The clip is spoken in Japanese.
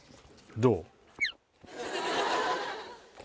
どう？